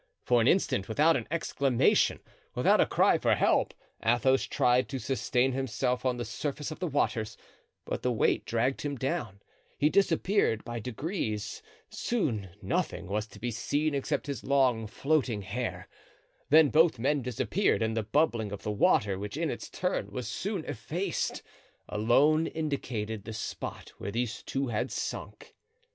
For an instant, without an exclamation, without a cry for help, Athos tried to sustain himself on the surface of the waters, but the weight dragged him down; he disappeared by degrees; soon nothing was to be seen except his long, floating hair; then both men disappeared and the bubbling of the water, which, in its turn, was soon effaced, alone indicated the spot where these two had sunk.